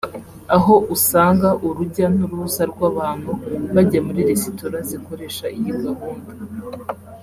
aho usanga urujya n’uruza rw’abantu bajya muri resitora zikoresha iyi gahunda